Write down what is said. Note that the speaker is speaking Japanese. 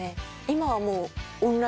今はもう。